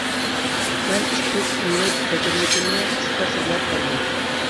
مەن ئىككى كۈنلۈك كەچۈرمىشىمنى قىسقا سۆزلەپ بەردىم.